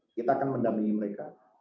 kita akan mendamai mereka